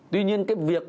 tuy nhiên cái việc